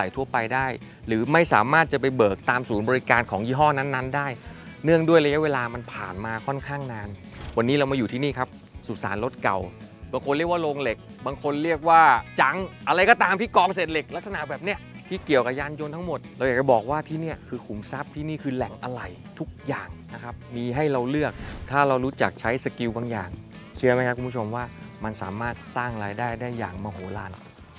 สุดสารรถเก่าบางคนเรียกว่าโรงเหล็กบางคนเรียกว่าจังอะไรก็ตามพี่กองเสร็จเหล็กลักษณะแบบเนี้ยที่เกี่ยวกับยานยนต์ทั้งหมดเราอยากจะบอกว่าที่เนี้ยคือขุมทรัพย์ที่นี่คือแหล่งอะไหล่ทุกอย่างนะครับมีให้เราเลือกถ้าเรารู้จักใช้สกิลบางอย่างเชื่อไหมครับคุณผู้ชมว่ามันสามารถสร้างรายได้ได้อย่างมาโหลลาหน่